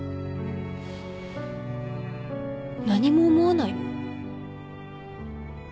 何も思わないの？